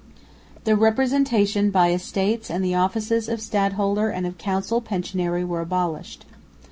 The representation by Estates and the offices of stadholder and of council pensionary were abolished.